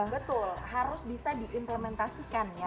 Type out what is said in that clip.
betul harus bisa diimplementasikan ya